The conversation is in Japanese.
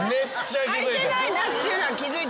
はいてないなっていうのは気付いてました？